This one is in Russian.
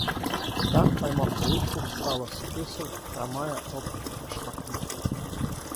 Та, поймав улыбку, встала с кресел и, хромая, робко подошла к ней.